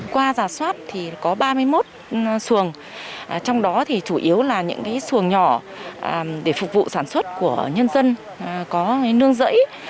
qua giả soát thì có ba mươi một xuồng trong đó thì chủ yếu là những xuồng nhỏ để phục vụ sản xuất của nhân dân có nương dẫy